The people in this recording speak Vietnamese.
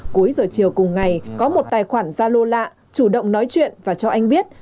cuối giờ chiều cùng ngày có một tài khoản gia lô lạ chủ động nói chuyện và cho anh biết